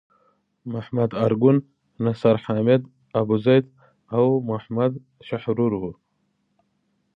محمد ارګون، نصر حامد ابوزید او محمد شحرور وو.